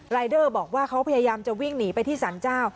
เดอร์บอกว่าเขาพยายามจะวิ่งหนีไปที่สรรเจ้า